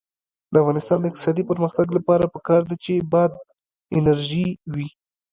د افغانستان د اقتصادي پرمختګ لپاره پکار ده چې باد انرژي وي.